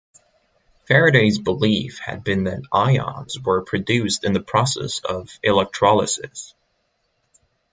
Faraday's belief had been that ions were produced in the process of electrolysis.